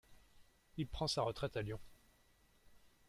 Il prend sa retraite à Lyon.